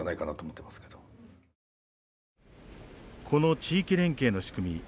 この地域連携の仕組み